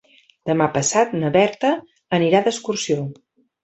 Demà passat na Berta anirà d'excursió.